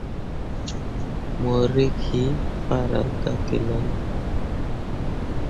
Mo rǝkki farah gah gelale.